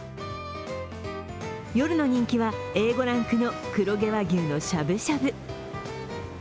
夜の人気は、Ａ５ランクの黒毛和牛のしゃぶしゃぶ。